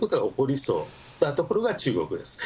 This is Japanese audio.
そういうところが中国です。